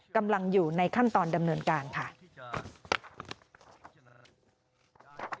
กำลังอยู่ในขั้นตอนดำเนินการค่ะ